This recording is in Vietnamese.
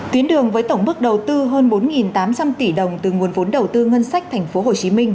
tuyến đường với tổng mức đầu tư hơn bốn tám trăm linh tỷ đồng từ nguồn vốn đầu tư ngân sách tp hcm